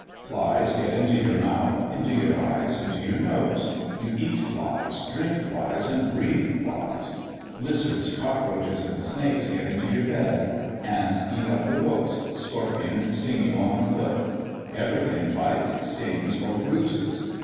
Flies get into your mouth, into your eyes, into your nose; you eat flies, drink flies, and breathe flies. Lizards, cockroaches, and snakes get into your bed; ants eat up the books; scorpions sting you on the foot. Everything bites, stings, or bruises.